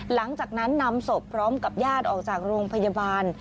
หลังจากนั้นนำศพพร้อมกับญาติออกจากโรงพยาบาล